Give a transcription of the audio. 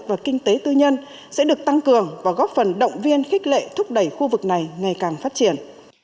và kinh tế tư nhân sẽ được tăng cường và góp phần động viên khích lệ thúc đẩy khu vực này ngày càng phát triển